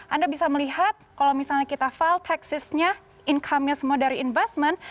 anda bisa melihat kalau misalnya kita file texisnya income nya semua dari investment